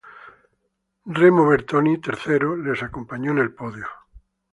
Remo Bertoni, tercero, les acompañó en el podio.